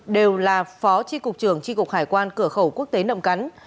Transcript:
đều là phó tri cục trưởng tri cục hải quan cửa khẩu quốc tế nậm cắn